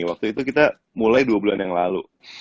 waktu itu kita mulai dua bulan yang lalu